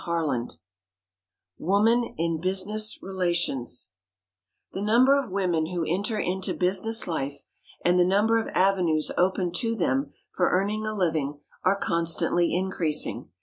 CHAPTER XXXIX WOMAN IN BUSINESS RELATIONS THE number of women who enter into business life and the number of avenues open to them for earning a living are constantly increasing.